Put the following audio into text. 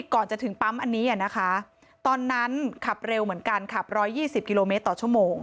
ขับเร็วเหมือนกันขับ๑๒๐กิโลเมตรต่อชั่วโมง